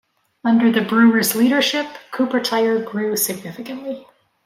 Under the Brewers' leadership, Cooper Tire grew significantly.